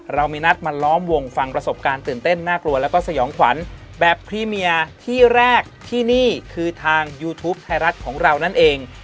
เรามีนัดมาล้อมวงฟังประสบการณ์ตื่นเต้นน่ากลัวแล้วก็สยองขวัญแบบพรีเมียที่แรกที่นี่คือทางยูทูปไทยรัฐของเรานั่นเอง